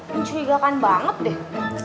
mencuyegakan banget deh